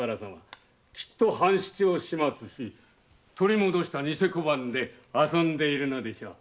きっと半七を始末し取り戻した偽小判で遊んでいるのでしょう。